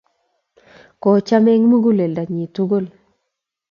Kochomei eng muguleldonyi tugul